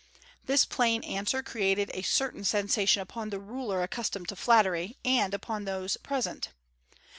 This plain answer created a certain sensation upon the ruler accustomed to flattery, and upon those present.